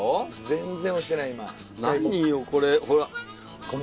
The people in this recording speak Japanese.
全然押してない今。